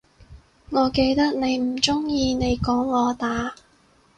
我記得你唔鍾意你講我打